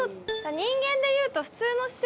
人間でいうと普通の姿勢